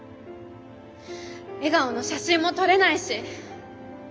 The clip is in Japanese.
笑顔の写真も撮れないし。